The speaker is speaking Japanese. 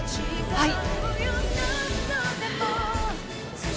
はい。